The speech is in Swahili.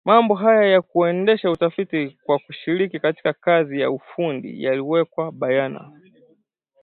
Mambo haya ya kuendesha utafiti kwa kushiriki katika kazi ya ufundi yaliwekwa bayana